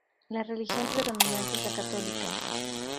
La religión predominante es la Católica.